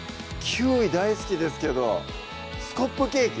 キウイ大好きですけどスコップケーキ？